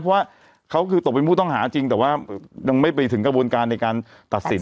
เพราะว่าเขาคือตกเป็นผู้ต้องหาจริงแต่ว่ายังไม่ไปถึงกระบวนการในการตัดสิน